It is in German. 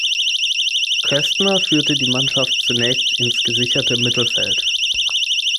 Köstner führte die Mannschaft zunächst ins gesicherte Mittelfeld.